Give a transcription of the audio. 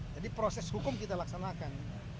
jadi proses hukum kita laksanakan